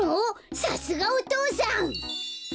さすがお父さん！